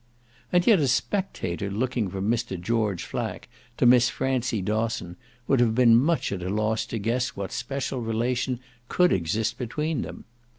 And yet a spectator looking from Mr. George Flack to Miss Francie Dosson would have been much at a loss to guess what special relation could exist between them.